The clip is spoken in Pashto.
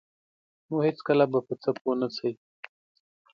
نو هیڅکله به په څه پوه نشئ.